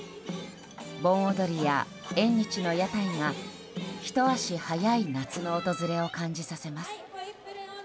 盆踊りや縁日の屋台がひと足早い夏の訪れを感じさせます。